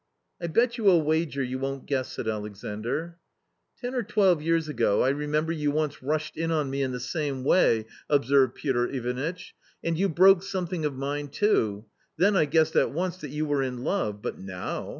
" I bet you a wager you won't guess !" said Alexandr. "Ten or twelve years ago, I remember you once rushed in on me in the same way," observed Piotr Ivanitch, " and you broke something of mine too — then I guessed at once that you were in love, but now